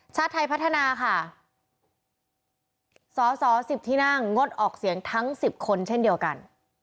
ชาติไทยพัฒนาค่ะสอสอ๑๐ที่นั่งงดออกเสียงทั้ง๑๐คนเช่นเดียวกัน